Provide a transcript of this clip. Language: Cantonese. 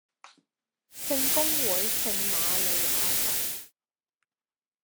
聖公會聖馬利亞堂